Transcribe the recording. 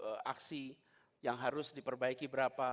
atau berapa aksi yang harus diperbaiki berapa